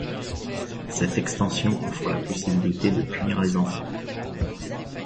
Cette extension offre la possibilité de punir les enfants.